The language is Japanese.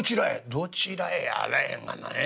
『どちらへやあらへんがな。